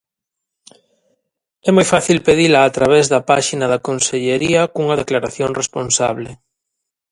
É moi fácil pedila a través da páxina da Consellería cunha declaración responsable.